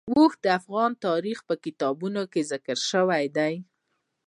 اوښ د افغان تاریخ په کتابونو کې ذکر شوی دی.